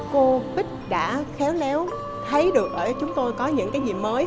cô bích đã khéo léo thấy được ở chúng tôi có những cái gì mới